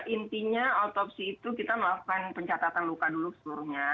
intinya otopsi itu kita melakukan pencatatan luka dulu seluruhnya